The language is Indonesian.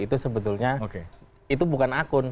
itu sebetulnya itu bukan akun